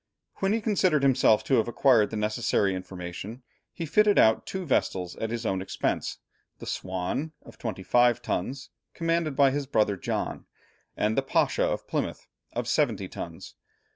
When he considered himself to have acquired the necessary information, he fitted out two vessels at his own expense: the Swan, of twenty five tons, commanded by his brother John, and the Pasha of Plymouth, of seventy tons.